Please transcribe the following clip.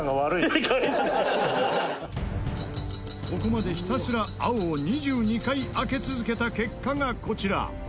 ここまでひたすら青を２２回開け続けた結果がこちら。